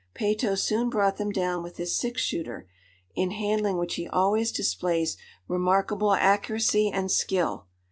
Peyto soon brought them down with his six shooter, in handling which he always displays remarkable accuracy and skill.